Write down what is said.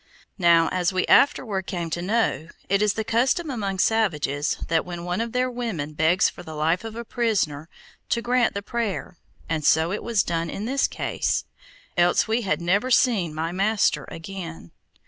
Now, as we afterward came to know, it is the custom among savages, that when one of their women begs for the life of a prisoner, to grant the prayer, and so it was done in this case, else we had never seen my master again.